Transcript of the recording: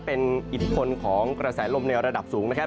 เป็นอิทธิพลของกระแสลมในระดับสูงนะครับ